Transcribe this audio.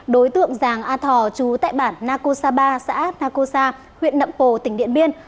đối tượng giàng a thò chú tại bản nako sapa xã nako sa huyện đậm pồ tỉnh điện biên